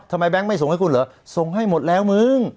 แบงค์ไม่ส่งให้คุณเหรอส่งให้หมดแล้วมึง